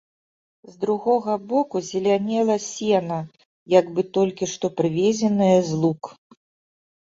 З другога боку зелянела сена, як бы толькі што прывезенае з лук.